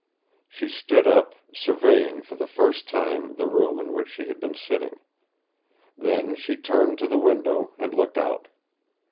She stood up, surveying for the first time the room in which she had been sitting. Then she turned to the window and looked out.